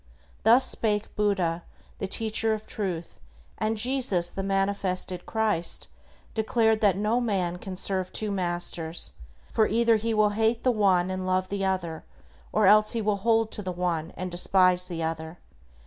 Thus spake Buddha, the teacher of Truth, and Jesus, the manifested Christ, declared that "No man can serve two masters; for either he will hate the one and love the other; or else he will hold to the one, and despise the other.